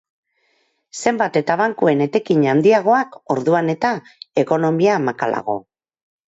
Zenbat eta bankuen etekin handiagoak, orduan eta ekonomia makalago.